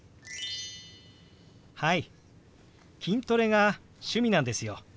はい筋トレが趣味なんですよ。